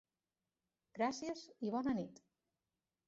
Gràcies i bona nit!